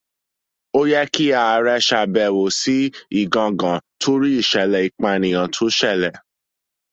Ó yẹ kí Ààrẹ ṣàbẹ̀wò sí Igàngàn torí ìṣẹ̀lẹ̀ ìpànìyàn tó ṣẹlẹ̀.